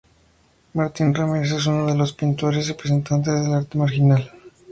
Martín Ramírez es uno de los pintores representantes del arte marginal.